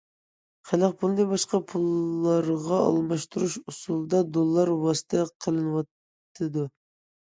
خەلق پۇلىنى باشقا پۇللارغا ئالماشتۇرۇش ئۇسۇلىدا دوللار ۋاسىتە قىلىنىۋاتىدۇ.